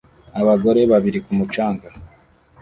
Abagore babiri ku mucanga